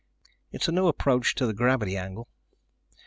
"It's a new approach to the gravity angle.